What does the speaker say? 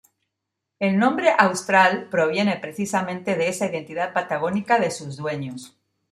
El nombre "Austral" proviene precisamente de esa identidad patagónica de sus dueños.